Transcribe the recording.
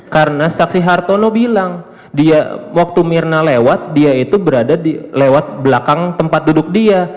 karena saksi hartono bilang dia waktu mirna lewat dia itu berada di lewat belakang tempat duduk dia